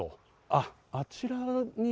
あっ、あちらに。